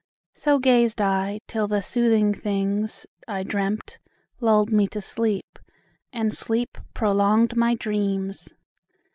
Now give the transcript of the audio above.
So gazed I, till the soothing things, I dreamt, Lulled me to sleep, and sleep prolonged my dreams!